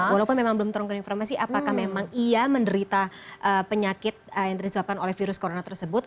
walaupun memang belum terungkap informasi apakah memang ia menderita penyakit yang disebabkan oleh virus corona tersebut